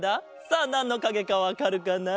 さあなんのかげかわかるかな？